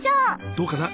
どうかな？